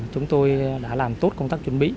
chúng tôi đã làm tốt công tác chuẩn bị